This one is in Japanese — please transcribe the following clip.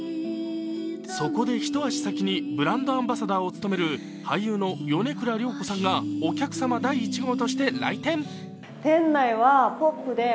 そこで一足先にブランドアンバサダーを務める俳優の米倉涼子さんがお客様第１号として来店。